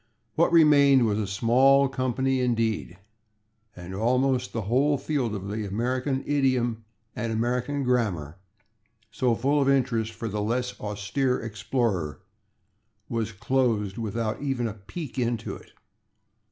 What remained was a small company, indeed and almost the whole field of American idiom and American grammar, so full of interest for the less austere explorer, was closed without even a peek into it.